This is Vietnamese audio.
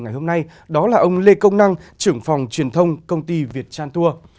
ngày hôm nay đó là ông lê công năng trưởng phòng truyền thông công ty việt chan tour